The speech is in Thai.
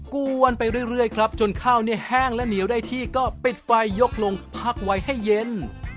กวนไปเรื่อยครับจนข้าวเนี่ยแห้งและเหนียวได้ที่ก็ปิดไฟยกลงพักไว้ให้เย็น